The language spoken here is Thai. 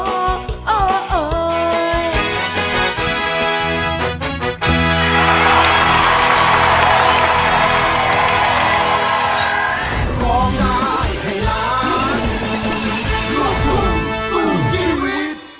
ให้รอสายแบบว่าให้รอสายแบบว่าให้เก็บรักษา